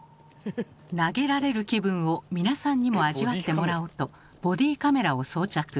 投げられる気分を皆さんにも味わってもらおうとボディカメラを装着。